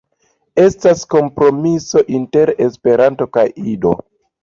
Estas kompromiso inter Esperanto kaj Ido.